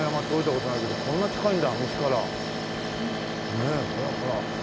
ねえほらほら。